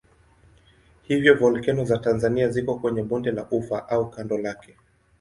Hivyo volkeno za Tanzania ziko kwenye bonde la Ufa au kando lake.